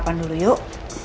sarapan dulu yuk